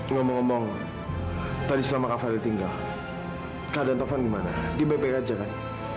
ngomong ngomong tadi selama kak fadil tinggal kak dan taufan gimana dia baik baik aja kan